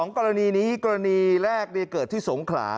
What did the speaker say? กรณีนี้กรณีแรกเกิดที่สงขลา